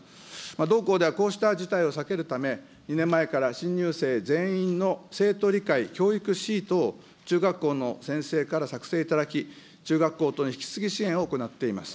同校ではこうした事態を避けるため、２年前から新入生全員の生徒理解・教育シートを中学校の先生から作成いただき、中学校との引継支援を行っています。